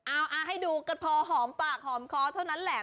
เอาให้ดูกันพอหอมปากหอมคอเท่านั้นแหละ